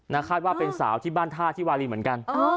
คาดว่าเป็นสาวที่บ้านท่าที่วารีเหมือนกัน